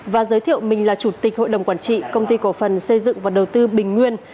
và giới thiệu mình là chủ tịch hội đồng quản trị công ty cổ phần xây dựng và đầu tư bình nguyên